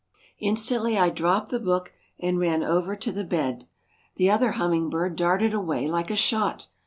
Instantly I dropped the book and ran over to the bed. The other hummingbird darted away like a shot.